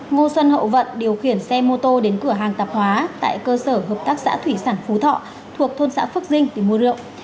ngô xuân hậu vận điều khiển xe mô tô đến cửa hàng tạp hóa tại cơ sở hợp tác xã thủy sản phú thọ thuộc thôn xã phước dinh để mua rượu